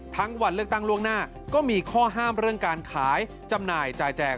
วันเลือกตั้งล่วงหน้าก็มีข้อห้ามเรื่องการขายจำหน่ายจ่ายแจก